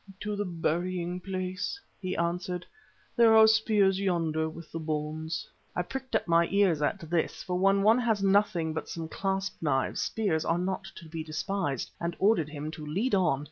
"To the burying place," he answered. "There are spears yonder with the bones." I pricked up my ears at this for when one has nothing but some clasp knives, spears are not to be despised and ordered him to lead on.